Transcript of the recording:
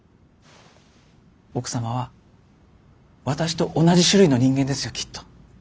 奥様は私と同じ種類の人間ですよきっと。